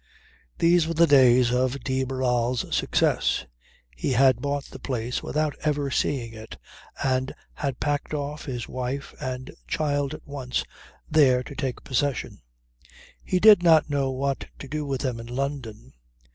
These were the days of de Barral's success. He had bought the place without ever seeing it and had packed off his wife and child at once there to take possession. He did not know what to do with them in London.